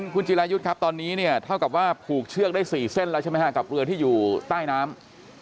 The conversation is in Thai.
คุณจิรายุทธ์ครับตอนนี้เนี่ยเท่ากับว่าผูกเชือกได้๔เส้นแล้วใช่ไหมฮะกับเรือที่อยู่ใต้น้ำ